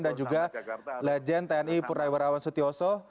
dan juga legend tni purwawarawan setioso